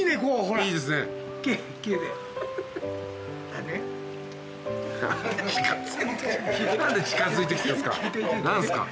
何で近づいてきたんすか。